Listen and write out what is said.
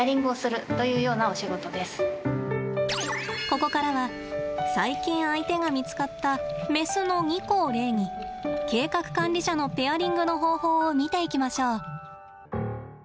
ここからは最近相手が見つかったメスのニコを例に計画管理者のペアリングの方法を見ていきましょう。